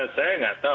saya nggak tahu